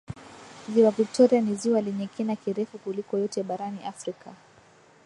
Ziwa Viktoria ni ziwa lenye kina kirefu kuliko yote barani Afrika